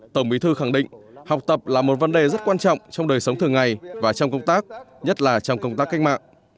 tổng bí thư khẳng định học tập là một vấn đề rất quan trọng trong đời sống thường ngày và trong công tác nhất là trong công tác cách mạng